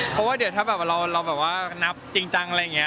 เพราะว่าเดี๋ยวถ้าแบบเราแบบว่านับจริงจังอะไรอย่างนี้